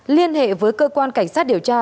liên hệ với cơ quan cảnh sát điều tra